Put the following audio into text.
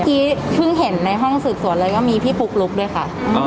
ที่เพิ่งเห็นในห้องสืบสวนเลยก็มีพี่ปุ๊กลุ๊กด้วยค่ะ